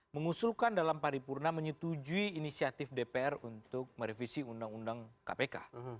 mengusulkan dalam paripurna menyetujui inisiatif dpr untuk merevisi undang undang kpk